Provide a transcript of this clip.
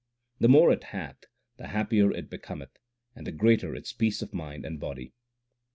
The more it hath, the happier it becometh, and the greater its peace of mind and body.